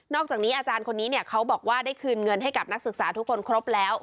อกจากนี้อาจารย์คนนี้เขาบอกว่าได้คืนเงินให้กับนักศึกษาทุกคนครบแล้ว